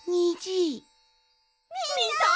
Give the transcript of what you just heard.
みたい！